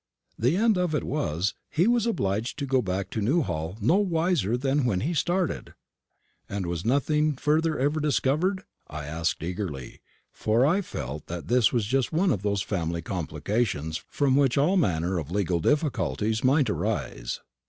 The end of it was, he was obliged to go back to Newhall no wiser than when he started." "And was nothing further ever discovered?" I asked eagerly, for I felt that this was just one of those family complications from which all manner of legal difficulties might arise.